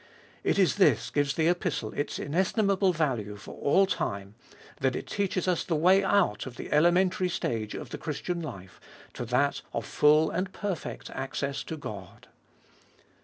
It is this gives the Epistle its inestimable value for all time, that it teaches us the way out of the elementary stage of the Christian life to that of full and perfect access to God.